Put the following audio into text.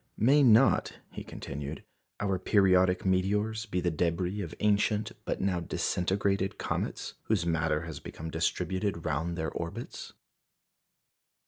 "May not," he continued, "our periodic meteors be the débris of ancient but now disintegrated comets, whose matter has become distributed round their orbits?"